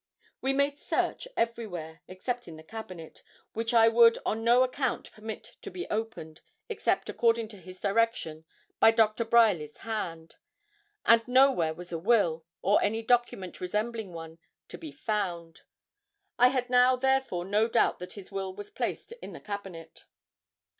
We made search everywhere, except in the cabinet, which I would on no account permit to be opened except, according to his direction, by Dr. Bryerly's hand. But nowhere was a will, or any document resembling one, to be found. I had now, therefore, no doubt that his will was placed in the cabinet.